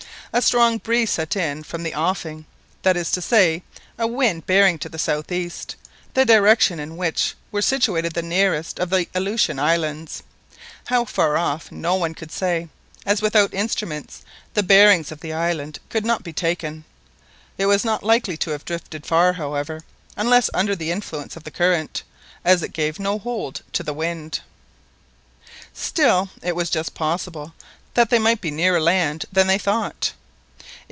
A strong breeze set in from the offing, that is to say, a wind bearing to the south east, the direction in which were situated the nearest of the Aleutian Islands. How far off no one could say, as without instruments the bearings of the island could not be taken. It was not likely to have drifted far, however, unless under the influence of the current, as it gave no hold to the wind. Still it was just possible that they might be nearer land than they thought.